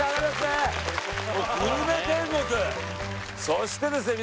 そしてですね